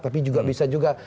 tapi juga bisa juga